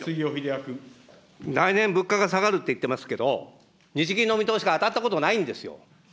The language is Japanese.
来年、物価が下がるって言ってますけど、日銀の見通しが当たったことないんですよ。